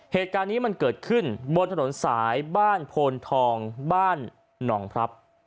เหตุการณ์นี้มันเกิดขึ้นบนถนนสายบ้านโพนทองบ้านหนองพรับ